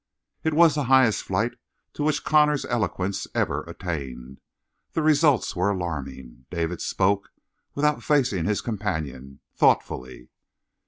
It was the highest flight to which Connor's eloquence ever attained. The results were alarming. David spoke, without facing his companion, thoughtfully.